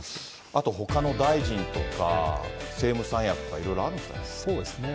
あとほかの大臣とか、政務三役とかいろいろあるんですよね。